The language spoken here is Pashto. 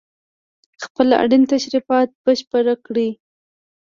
خپل اړين تشريفات بشپړ کړي